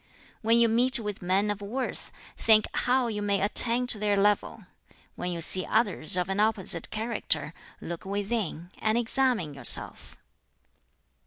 "When you meet with men of worth, think how you may attain to their level; when you see others of an opposite character, look within, and examine yourself.